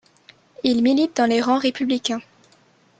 Il milite dans les rangs républicains.